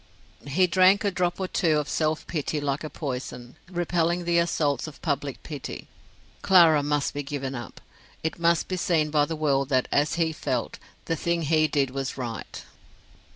He drank a drop or two of self pity like a poison, repelling the assaults of public pity. Clara must be given up. It must be seen by the world that, as he felt, the thing he did was right.